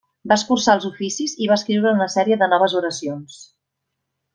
Va escurçar els oficis i va escriure una sèrie de noves oracions.